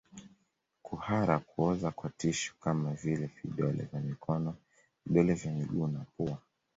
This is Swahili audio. Kuhara kuoza kwa tishu kama vile vidole vya mikono vidole vya miguu na pua